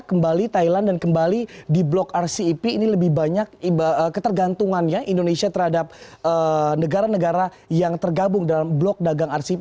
kembali thailand dan kembali di blok rcep ini lebih banyak ketergantungannya indonesia terhadap negara negara yang tergabung dalam blok dagang rcep